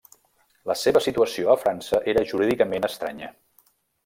La seva situació a França era jurídicament estranya.